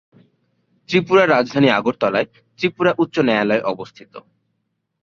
ত্রিপুরা রাজধানী আগরতলায় ত্রিপুরা উচ্চ ন্যায়ালয় অবস্থিত।